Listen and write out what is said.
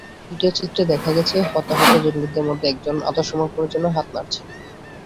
আরেকটি ভিডিওচিত্রে দেখা গেছে, হতাহত জঙ্গিদের মধ্যে একজন আত্মসমর্পণের জন্য হাত নাড়ছেন।